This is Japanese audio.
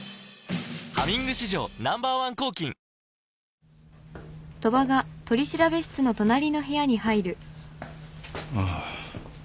「ハミング」史上Ｎｏ．１抗菌ああ。